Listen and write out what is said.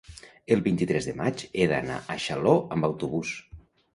El vint-i-tres de maig he d'anar a Xaló amb autobús.